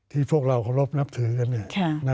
ที่พวกเรากระบบนับถือกันเนี่ย